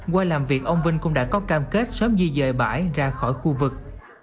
qua làm việc ông vinh cũng đã có cam kết sớm di dời bãi ra khỏi khu vực